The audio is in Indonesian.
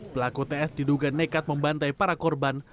pelaku ts diduga nekat membantai para korban